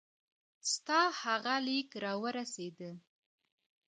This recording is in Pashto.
ستا هغه لیک را ورسېدی.